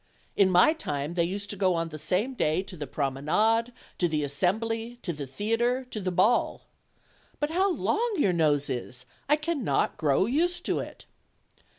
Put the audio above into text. In my time they used to go on the same day to the promenade, to the as sembly, to the theater, to the ball. But how long your nose is! 1 cannot grow used to it."